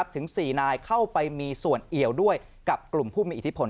ถึง๔นายเข้าไปมีส่วนเอี่ยวด้วยกับกลุ่มผู้มีอิทธิพล